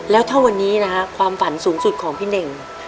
แล้วถ้าวันนี้นะฮะความฝันสูงสุดของพี่เน่ง